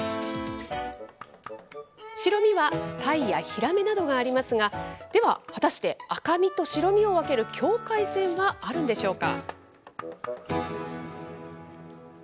白身はタイやヒラメなどがありますが、では果たして、赤身と白身を分ける境界線はあるんでしょうか。